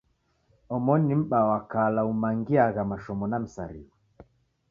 Omoni ni M'baa wa kala umangiagha mashomo na misarigho.